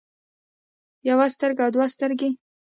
يوه سترګه او دوه سترګې